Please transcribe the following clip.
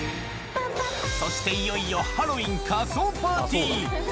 そしていよいよハロウィーン仮装パーティー。